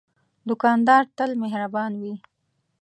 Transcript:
دوکاندار تل مهربان وي.